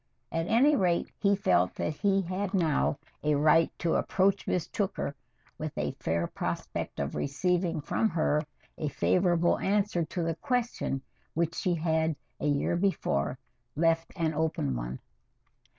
At any rate, he felt that he had now a right to approach Miss Tooker with a fair prospect of receiving from her a favorable answer to the question which she had a year before left an open one.